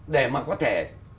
để mà có thể